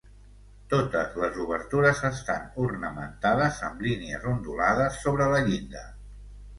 Totes les obertures estan ornamentades amb línies ondulades sobre la llinda.